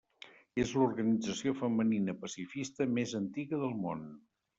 És l'organització femenina pacifista més antiga del món.